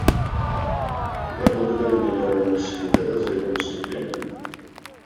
Я благодарю Генерального секретаря за его выступление.